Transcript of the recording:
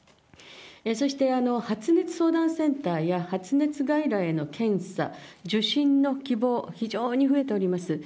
そして、発熱相談センターや発熱外来への検査、受診の希望、非常に増えております。